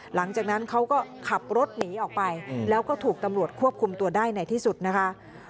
หลังจากนั้นเขาก็ขับรถหนีออกไปแล้วก็ถูกตำรวจควบคุมตัวได้ในที่สุดนะคะ